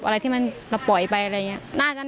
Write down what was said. อะไรที่มันเราปล่อยไปอะไรอย่างนี้